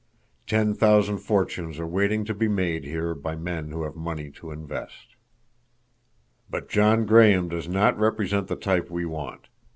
Ten thousand fortunes are waiting to be made here by men who have money to invest. "But John Graham does not represent the type we want.